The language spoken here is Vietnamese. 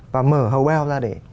và mở hầu eo ra để